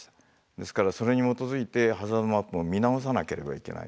ですからそれに基づいてハザードマップも見直さなければいけない。